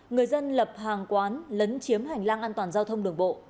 người dân lập hàng quán lấn chiếm hành lang an toàn giao thông đường bộ